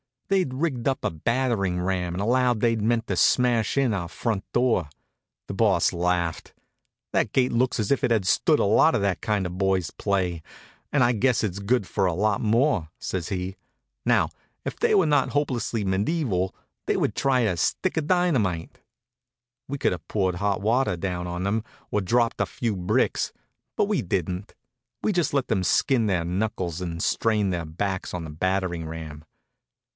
They'd rigged up a battering ram and allowed they meant to smash in our front door. The Boss laughed. "That gate looks as if it had stood a lot of that kind of boy's play, and I guess it's good for a lot more," says he. "Now, if they were not hopelessly medieval they would try a stick of dynamite." We could have poured hot water down on them, or dropped a few bricks, but we didn't. We just let them skin their knuckles and strain their backs on the battering ram.